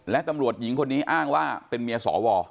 และตำรวจหญิงคนนี้อ้างว่าเป็นเมียสว